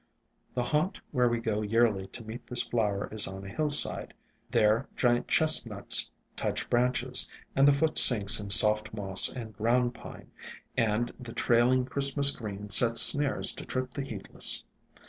The haunt where we go yearly to meet this flower is on a hillside. There giant Chestnuts touch branches, and the foot sinks in soft moss and Ground Pine, and the Trailing Christmas Green sets snares to trip the heedless.